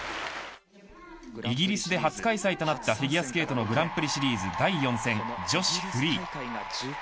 イギリスで初開催となったフィギュアスケートのグランプリシリーズ第４戦女子フリー。